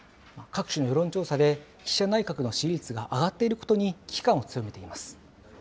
各種の世論調査で岸田内閣の支持率が上がっていることに危機感を強めています。